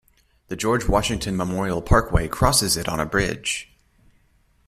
The George Washington Memorial Parkway crosses it on a bridge.